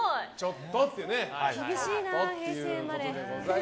厳しいな、平成生まれ。